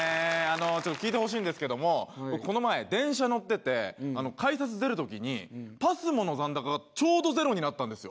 ちょっと聞いてほしいんですけども僕この前電車乗ってて改札出る時にＰＡＳＭＯの残高がちょうどゼロになったんですよ。